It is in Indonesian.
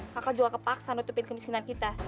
kakak juga kepaksa nutupin kemiskinan kita